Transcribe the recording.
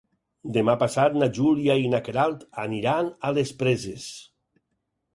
Demà passat na Júlia i na Queralt aniran a les Preses.